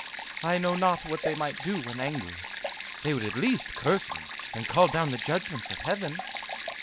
I know not what they might do when angry. They would at least curse me, and call down the judgments of Heaven."